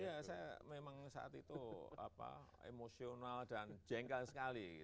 iya saya memang saat itu emosional dan jengkel sekali